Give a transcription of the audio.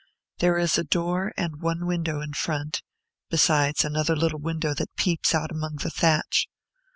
There is a door and one window in front, besides another little window that peeps out among the thatch.